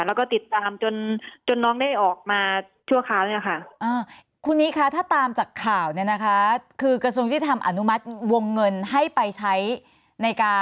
แล้วก็ติดตามจนน้องได้ออกมาชั่วคราวเนี่ยค่ะ